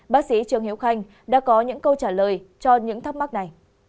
bác sĩ trương hiếu khanh đã có những câu trả lời cho những thắc mắc này